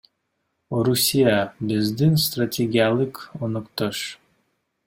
Орусия — биздин стратегиялык өнөктөш.